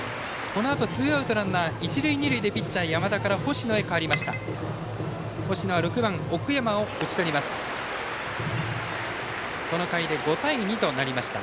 このあとツーアウトランナー、一塁二塁でピッチャーは山田から星野へ代わりました。